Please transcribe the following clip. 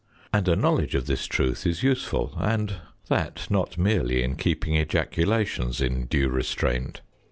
And a knowledge of this truth is useful, and that not merely in keeping ejaculations in due restraint.